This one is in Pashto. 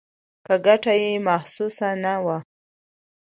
که ګټه یې محسوسه نه وه.